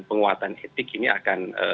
penguatan etik ini akan